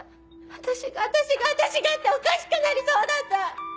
私が私が私がっておかしくなりそうだった！